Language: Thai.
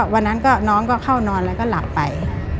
วันนั้นน้องก็เข้านอนแล้วก็หลับไป